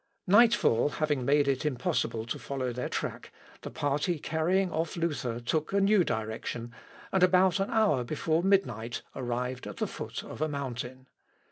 Nightfall having made it impossible to follow their track, the party carrying off Luther took a new direction, and about an hour before midnight arrived at the foot of a mountain.